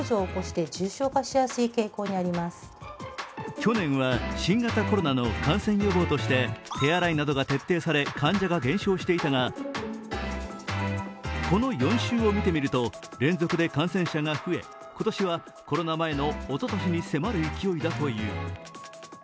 去年は新型コロナの感染予防として手洗いなどが徹底され患者が減少していたが、この４週を見てみると連続で感染者が増え今年はコロナ前のおととしに迫る勢いだという。